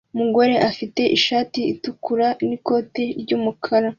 Umugore ufite ishati itukura n'ikoti ry'umukara